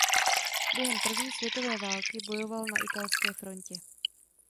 Během první světové války bojoval na italské frontě.